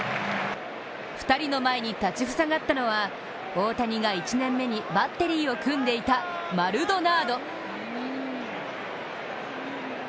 ２人の前に立ち塞がったのは大谷が１年目にバッテリーを組んでいたマルドナード。